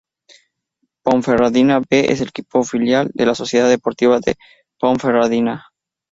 Ponferradina "B" es el equipo filial de la Sociedad Deportiva Ponferradina.